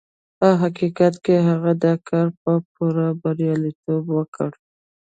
په حقيقت کې هغه دا کار په پوره برياليتوب وکړ.